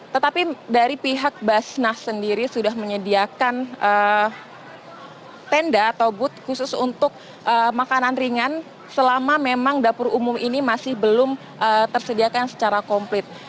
tetapi dari pihak basnas sendiri sudah menyediakan tenda atau booth khusus untuk makanan ringan selama memang dapur umum ini masih belum tersediakan secara komplit